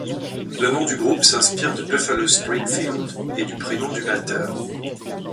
Le nom du groupe s'inspire de Buffalo Springfield et du prénom du batteur.